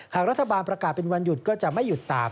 หากรัฐบาลประกาศเป็นวันหยุดก็จะไม่หยุดตาม